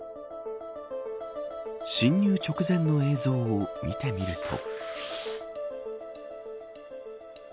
侵入直前の映像を見てみると。